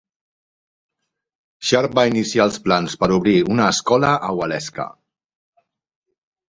Sharp va iniciar els plans per obrir una escola a Waleska.